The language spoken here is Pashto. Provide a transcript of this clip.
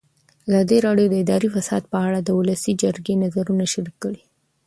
ازادي راډیو د اداري فساد په اړه د ولسي جرګې نظرونه شریک کړي.